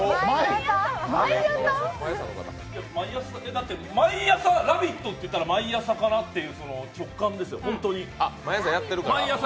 だって、「ラヴィット！」っていったら毎朝かなっていう直感ですよ、ホントに。